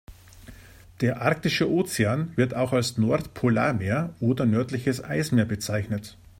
Der Arktische Ozean, wird auch als Nordpolarmeer oder nördliches Eismeer bezeichnet.